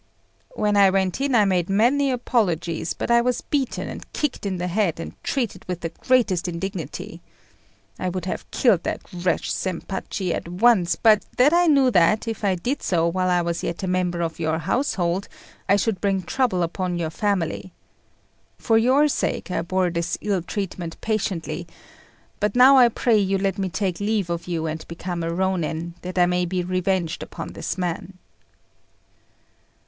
"When I went in, I made many apologies; but I was beaten, and kicked in the head, and treated with the greatest indignity. I would have killed that wretch, Zempachi, at once, but that I knew that, if I did so while I was yet a member of your household, I should bring trouble upon your family. For your sake I bore this ill treatment patiently; but now I pray you let me take leave of you and become a Rônin, that I may be revenged upon this man."